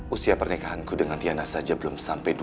usia pernikahanku dengan tiana saja belum sampai